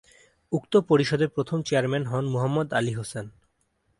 উক্ত পরিষদে প্রথম চেয়ারম্যান হন মোহাম্মদ আলী হোসেন।